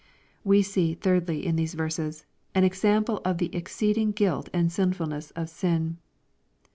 We see, thirdly, in these verses, an exam pie of the eay ceeding guilt and sinfulness of sin.